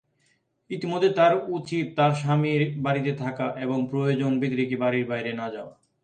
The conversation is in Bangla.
ইতিমধ্যে তার উচিত তার স্বামীর বাড়িতে থাকা এবং প্রয়োজন ব্যতিরেকে বাড়ির বাইরে না যাওয়া।